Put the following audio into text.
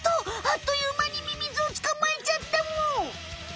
あっというまにミミズを捕まえちゃったむ！